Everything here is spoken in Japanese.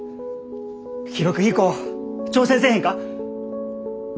記録飛行挑戦せえへんか？